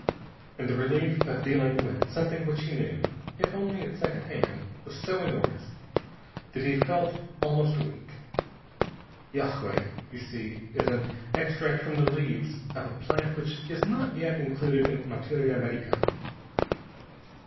And the relief of dealing with something which he knew if only at second hand was so enormous that he felt almost weak. Yagué, you see, is an extract from the leaves of a plant which is not yet included in materia medica.